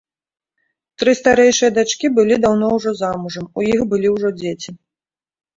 Тры старэйшыя дачкі былі даўно ўжо замужам, у іх былі ўжо дзеці.